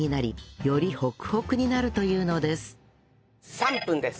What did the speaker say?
３分です。